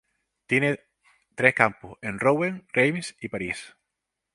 Tiene tres campus, en Rouen, Reims y París.